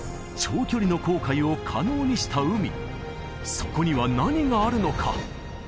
そこには何があるのか？